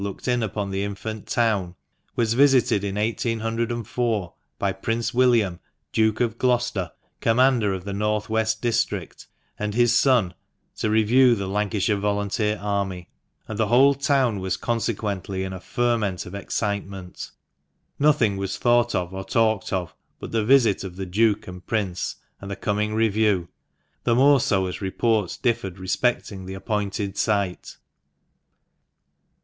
looked in upon the infant town, was visited in 1804 by Prince William, Duke of Gloucester, commander of the North west District, and his son, to review this Lancashire volunteer army ; and the whole town was consequently in a ferment of excitement Nothing was thought of, or talked of, but the visit of the Duke and Prince, and the coming review, the more so as reports differed respecting the appointed site.